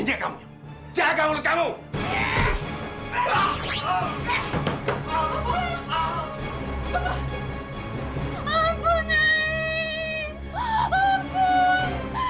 jangan bangun keluar dengan saya nyai